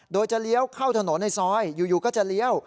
โดยจะเลี้ยวเข้าถนนในซอยอยู่ก็จะเลี้ยว